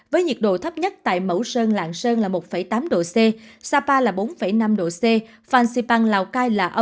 với nhiệt độ thấp nhất tại mẫu sơn lạng sơn là một tám độ c